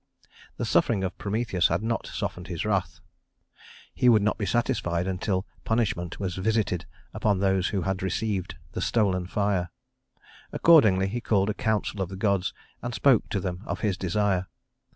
The suffering of Prometheus had not softened his wrath. He would not be satisfied until punishment was visited upon those who had received the stolen fire. Accordingly he called a council of the gods and spoke to them of his desire.